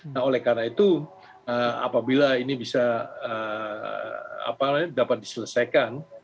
nah oleh karena itu apabila ini bisa dapat diselesaikan